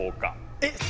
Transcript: えっ？